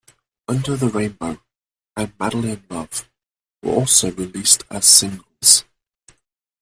"Under the Rainbow" and "Madly in Love" were also released as singles.